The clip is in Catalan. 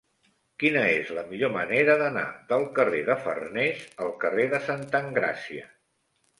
Quina és la millor manera d'anar del carrer de Farnés al carrer de Santa Engràcia?